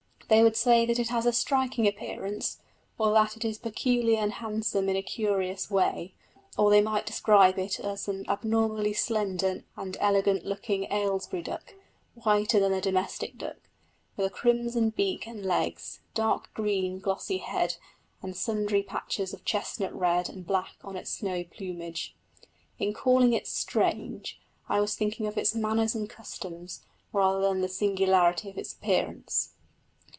They would say that it has a striking appearance, or that it is peculiar and handsome in a curious way; or they might describe it as an abnormally slender and elegant looking Aylesbury duck, whiter than that domestic bird, with a crimson beak and legs, dark green glossy head, and sundry patches of chestnut red and black on its snowy plumage. In calling it "strange" I was thinking of its manners and customs rather than of the singularity of its appearance.